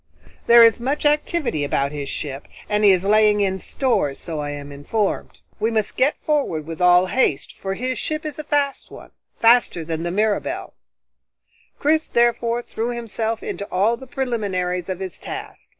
There is much activity about his ship, and he is laying in stores, so I am informed. We must get forward with all haste, for his ship is a fast one faster than the Mirabelle." Chris therefore threw himself into all the preliminaries of his task.